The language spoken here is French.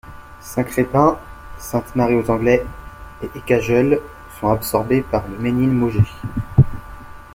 Saint-Crespin, Sainte-Marie-aux-Anglais et Écajeul sont absorbés par Le Mesnil-Mauger.